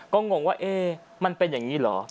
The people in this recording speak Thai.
ก็งงว่ามันเป็นอย่างนี้เหรอ